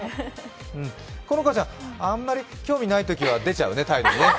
好花ちゃん、あんまり興味ないときは態度に出ちゃうね。